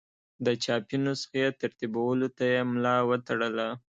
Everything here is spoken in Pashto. د چاپي نسخې ترتیبولو ته یې ملا وتړله.